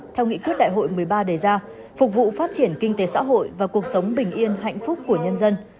theo nghị quyết đại hội một mươi ba đề ra phục vụ phát triển kinh tế xã hội và cuộc sống bình yên hạnh phúc của nhân dân